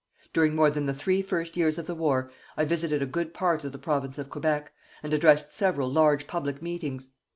During more than the three first years of the war, I visited a good part of the Province of Quebec, and addressed several large public meetings.